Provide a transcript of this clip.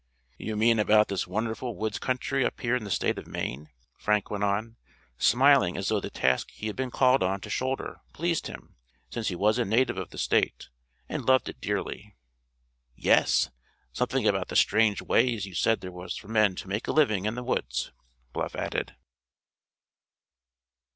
"You mean about this wonderful woods country up in the State of Maine," Frank went on, smiling as though the task he had been called on to shoulder pleased him, since he was a native of the State, and loved it dearly. "Yes; something about the strange ways you said there were for men to make a living in the woods," Bluff added.